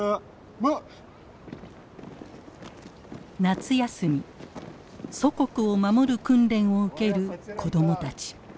夏休み祖国を守る訓練を受ける子供たち。